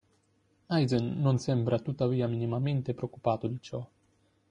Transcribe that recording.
Aizen non sembra tuttavia minimamente preoccupato di ciò.